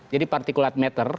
jadi partikulat meter